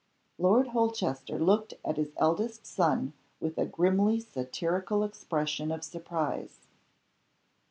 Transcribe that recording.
Lord Holchester looked at his eldest son with a grimly satirical expression of surprise.